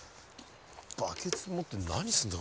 バケツ持って何すんだ。